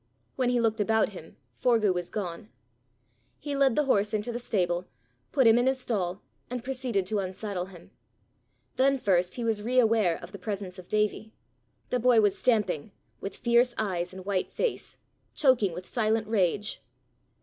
When he looked about him, Forgue was gone. He led the horse into the stable, put him in his stall, and proceeded to unsaddle him. Then first he was re aware of the presence of Davie. The boy was stamping with fierce eyes and white face choking with silent rage.